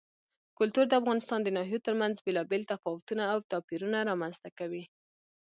کلتور د افغانستان د ناحیو ترمنځ بېلابېل تفاوتونه او توپیرونه رامنځ ته کوي.